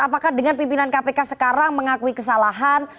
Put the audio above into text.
apakah dengan pimpinan kpk sekarang mengakui kesalahan